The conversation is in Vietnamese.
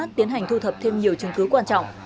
tiến hành thu thập thêm nhiều chứng cứ quan trọng